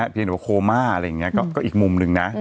ว่าโคม่าอะไรอย่างนี้ก็อีกมุมหนึ่งนะ